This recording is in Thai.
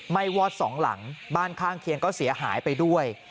้วอดสองหลังบ้านข้างเคียงก็เสียหายไปด้วย